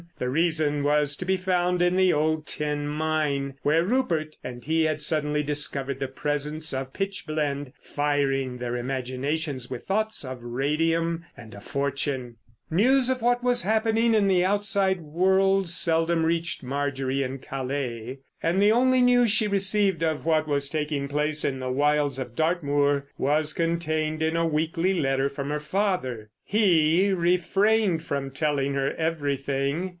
The reason was to be found in the old tin mine where Rupert and he had suddenly discovered the presence of pitch blende, firing their imaginations with thoughts of radium—and a fortune. News of what was happening in the outside world seldom reached Marjorie in Calais. And the only news she received of what was taking place in the wilds of Dartmoor was contained in a weekly letter from her father. He refrained from telling her everything.